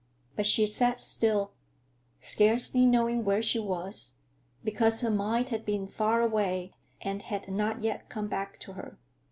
But she sat still, scarcely knowing where she was, because her mind had been far away and had not yet come back to her.